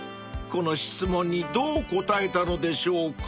この質問にどう答えたのでしょうか？］